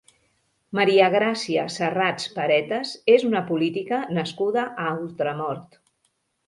Maria Gràcia Serrats Paretas és una política nascuda a Ultramort.